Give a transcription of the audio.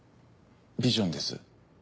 ビジョンです。